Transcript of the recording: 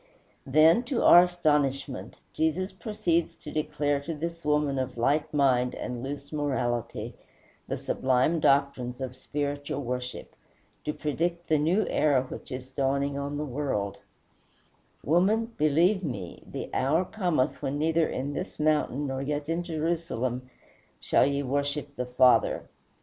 Then, to our astonishment, Jesus proceeds to declare to this woman of light mind and loose morality the sublime doctrines of spiritual worship, to predict the new era which is dawning on the world: "Woman, believe me, the hour cometh when neither in this mountain nor yet in Jerusalem shall ye worship the Father.